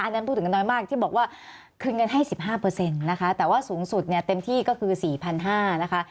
อันด้านพูดถึงน้อยมากที่บอกว่าขึ้นเงินให้๑๕นะคะแต่ว่าสูงสุดเต็มที่ก็คือ๔๕๐๐บาทนะคะ